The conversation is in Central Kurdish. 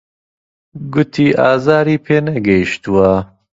گوتی ئازاری پێ نەگەیشتووە.